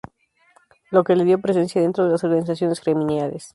Lo que le dio presencia dentro de las organizaciones gremiales.